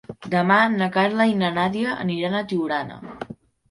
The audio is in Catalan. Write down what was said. Demà na Carla i na Nàdia aniran a Tiurana.